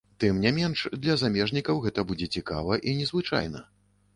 Тым не менш для замежнікаў гэта будзе цікава і незвычайна.